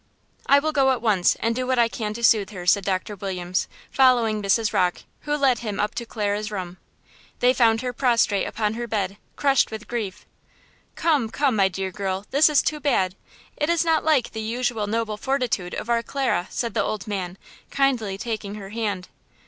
"I will go at once and do what I can to soothe her," said Doctor Williams, following Mrs. Rocke, who led him up to Clara's room. They found her prostrate upon her bed, crushed with grief. "Come, come, my dear girl, this is too bad! It is not like the usual noble fortitude of our Clara," said the old man, kindly taking her hand.